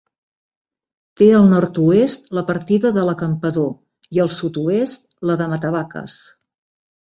Té al nord-oest la partida de l'Acampador i al sud-oest la de Matavaques.